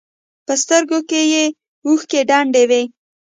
په سترګو کښې يې اوښکې ډنډ وې.